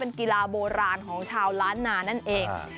เป็นกีฬาโบราณของชาวล้านนานั่นเอง